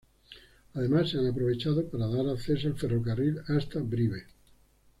Además se han aprovechado para dar acceso al ferrocarril hasta Brive.